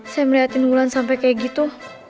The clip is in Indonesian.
sam liatin mulan sampe kayak gitu